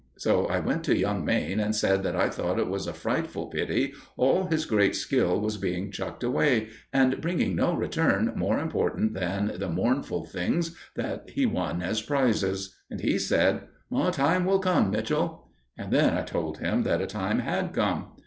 So I went to young Mayne and said that I thought it was a frightful pity all his great skill was being chucked away, and bringing no return more important than the mournful things that he won as prizes. And he said: "A time will come, Mitchell." And then I told him that a time had come.